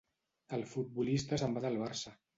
el futbolista se'n va del Barça